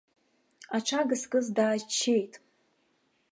Аҽага зкыз дааччеит.